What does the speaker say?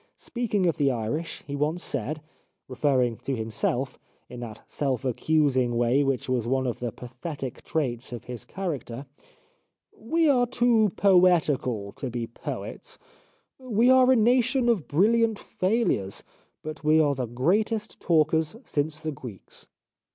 Speaking of the Irish, he once said, referring to himself, in that self accusing way which was one of the pathetic traits of his character :" We are too poetical to be poets. We are a nation of bril liant failures, but we are the greatest talkers since the Greeks."